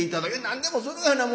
「何でもするがな